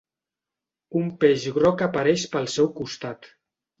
Un peix groc apareix pel seu costat.